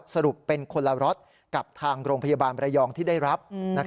สรุปเป็นคนละล็อตกับทางโรงพยาบาลระยองที่ได้รับ